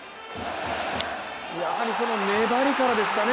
やはりその粘りからですかね